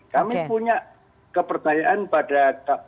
kami punya keperdayaan pada